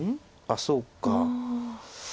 あっそうか。